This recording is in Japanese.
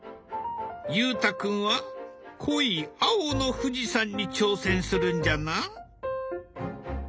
裕太君は濃い青の富士山に挑戦するんじゃな。